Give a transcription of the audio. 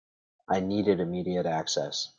I needed immediate access.